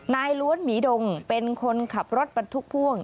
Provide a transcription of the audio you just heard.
ล้วนหมีดงเป็นคนขับรถบรรทุกพ่วง